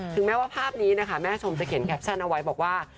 แม้ว่าภาพนี้นะคะแม่ชมจะเขียนแคปชั่นเอาไว้บอกว่า